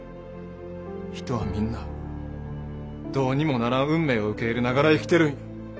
人はみんなどうにもならん運命を受け入れながら生きてるんや。